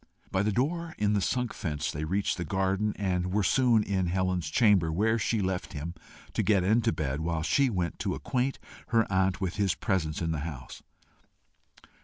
By the door in the sunk fence they reached the garden, and were soon in Helen's chamber, where she left him to get into bed while she went to acquaint her aunt of his presence in the house.